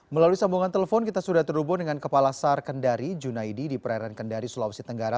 melalui sambungan telepon kita sudah terhubung dengan kepala sar kendari junaidi di perairan kendari sulawesi tenggara